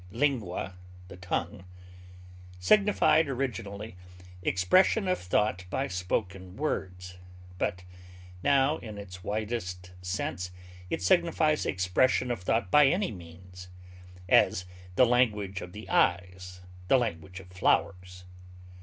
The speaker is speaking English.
lingua, the tongue) signified originally expression of thought by spoken words, but now in its widest sense it signifies expression of thought by any means; as, the language of the eyes, the language of flowers.